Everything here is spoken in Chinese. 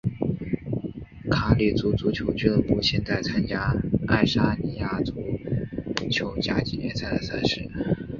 卡里鲁足球俱乐部现在参加爱沙尼亚足球甲级联赛的赛事。